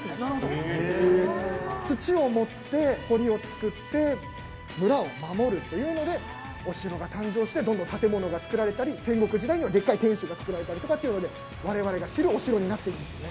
土を盛って堀をつくって村を守るっていうのでお城が誕生してどんどん建物がつくられたり戦国時代にはでっかい天守がつくられたりとかっていうのでわれわれが知るお城になってるんですね。